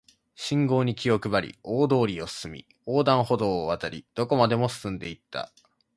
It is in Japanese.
信号に気を配り、大通りを進み、横断歩道を渡り、どこまでも進んで行った